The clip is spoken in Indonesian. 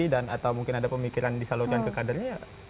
dan atau mungkin ada pemikiran disalurkan ke kadernya ya